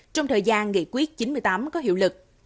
trong thời gian nghị quyết chín mươi tám có hiệu lực